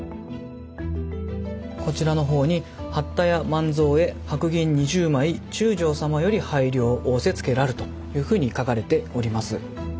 こちらの方に「八田屋万蔵へ白銀二十枚中将様より拝領仰せつけらる」というふうに書かれております。